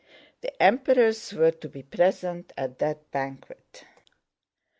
The Emperors were to be present at that banquet.